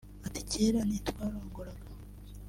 Ati “Kera ntitwarongoraga